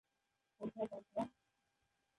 খোসা পাতলা।